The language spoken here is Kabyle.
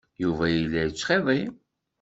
Yuba yella yettxiḍi.